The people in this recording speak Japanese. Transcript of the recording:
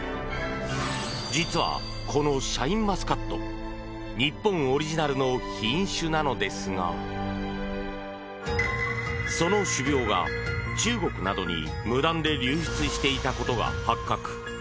実はこのシャインマスカット日本オリジナルの品種なのですがその種苗が中国などに無断で流出していたことが発覚。